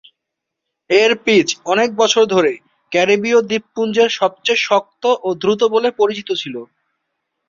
এর পিচ অনেক বছর ধরে ক্যারিবীয় দ্বীপপুঞ্জের সবচেয়ে শক্ত ও দ্রুত বলে পরিচিত ছিল।